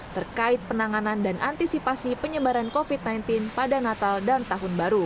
terkait penanganan dan antisipasi penyebaran covid sembilan belas pada natal dan tahun baru